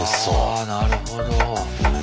あなるほど。